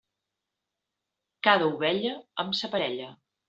Cada ovella, amb sa parella.